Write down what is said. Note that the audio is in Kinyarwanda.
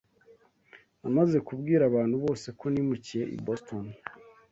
Namaze kubwira abantu bose ko nimukiye i Boston.